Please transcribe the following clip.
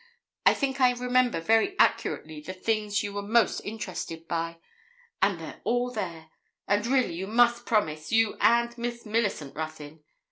I think I remember very accurately the things you were most interested by, and they're all there; and really you must promise, you and Miss Millicent Ruthyn.